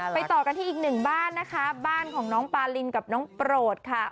ต่อกันที่อีกหนึ่งบ้านนะคะบ้านของน้องปาลินกับน้องโปรดค่ะ